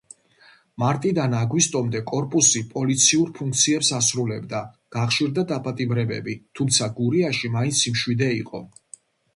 მარტიდან აგვისტომდე კორპუსი პოლიციურ ფუნქციებს ასრულებდა, გახშირდა დაპატიმრებები, თუმცა გურიაში მაინც სიმშვიდე იყო.